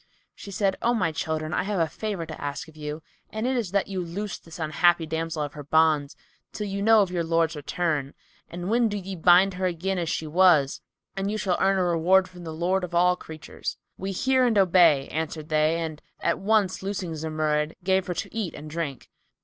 She said, "O my children, I have a favour to ask of you, and it is that you loose this unhappy damsel of her bonds, till you know of your lord's return, when do ye bind her again as she was; and you shall earn a reward from the Lord of all creatures." "We hear and obey," answered they and at once loosing Zumurrud, gave her to eat and drink.